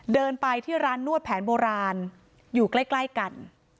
เดินไปที่ร้านนวดแผนโบราณอยู่ใกล้กัน